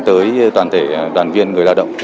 tới toàn thể toàn viên người lao động